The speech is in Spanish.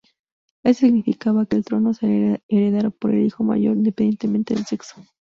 Esto significaba que el trono será heredado por el hijo mayor, independientemente del sexo.